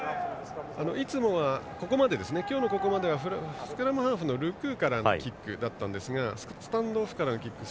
今日のここまではスクラムハーフのルクからのキックだったんですがスタンドオフからのキック。